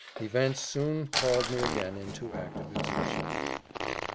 Events soon called me again into active exertion.